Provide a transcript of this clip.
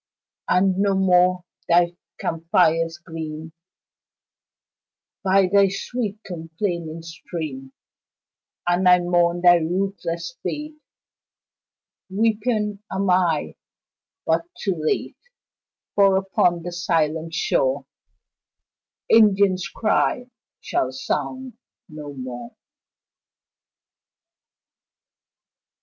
And no more thy camp fires gleam By thy sweet, complaining stream; And I mourn thy ruthless fate; Weeping am I but too late For upon that silent shore Indian's cry shall sound no more.